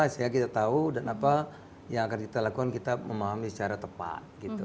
sehingga kita tahu dan apa yang akan kita lakukan kita memahami secara tepat